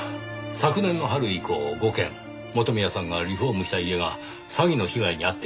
昨年の春以降５件元宮さんがリフォームした家が詐欺の被害に遭っていますね。